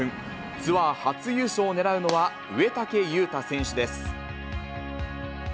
ツアー初優勝を狙うのは、植竹勇太選手です。